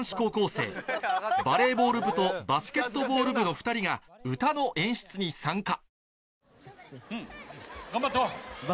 この日はバレーボール部とバスケットボール部の２人が歌の演出に参加